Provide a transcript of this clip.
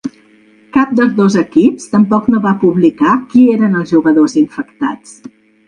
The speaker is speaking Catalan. Cap dels dos equips tampoc no va publicar qui eren els jugadors infectats.